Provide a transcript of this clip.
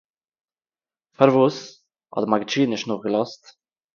פארוואס? האט די מגיד שיעור נישט נאכגעלאזט